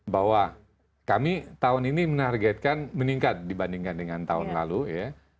bahwa kami tahun ini menargetkan meningkat dibandingkan dengan tahun lalu ya